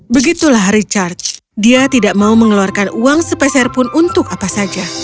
begitulah richard dia tidak mau mengeluarkan uang spesial pun untuk apa saja